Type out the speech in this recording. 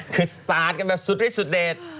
คือศาสตร์กันแบบสุดริดสุดเดช